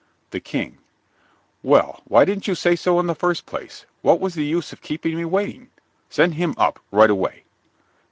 THE KING Well, why didn't you say so in the first place? What was the use of keeping me waiting? Send him up right away.